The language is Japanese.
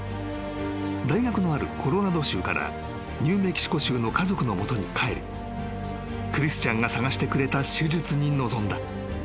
［大学のあるコロラド州からニューメキシコ州の家族の元に帰りクリスチャンが探してくれた手術に臨んだ］